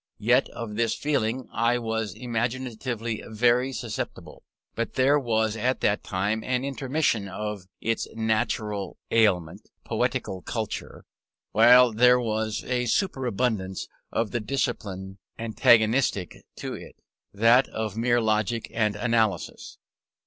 Yet of this feeling I was imaginatively very susceptible; but there was at that time an intermission of its natural aliment, poetical culture, while there was a superabundance of the discipline antagonistic to it, that of mere logic and analysis.